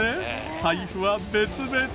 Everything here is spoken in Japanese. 財布は別々？